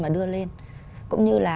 mà đưa lên cũng như là